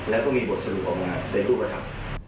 แล้วก็มีบทสรุปออกมาแต่ดูประทับ